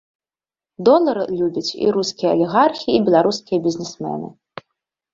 Долары любяць і рускія алігархі, і беларускія бізнесмены.